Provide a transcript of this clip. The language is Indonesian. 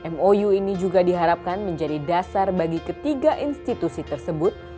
mou ini juga diharapkan menjadi dasar bagi ketiga institusi tersebut